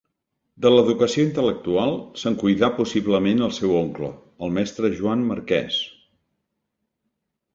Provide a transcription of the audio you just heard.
De l’educació intel·lectual, se’n cuidà possiblement el seu oncle, el mestre Joan Marquès.